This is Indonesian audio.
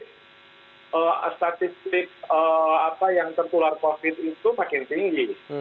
statistik yang tertular covid itu makin tinggi